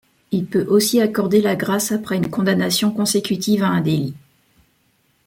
Il peut aussi accorder la grâce après une condamnation consécutive à un délit.